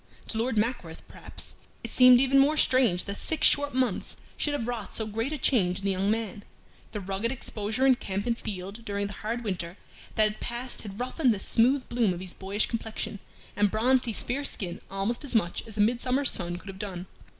To Lord Mackworth, perhaps, it seemed even more strange that six short months should have wrought so great a change in the young man. The rugged exposure in camp and field during the hard winter that had passed had roughened the smooth bloom of his boyish complexion and bronzed his fair skin almost as much as a midsummer's sun could have done.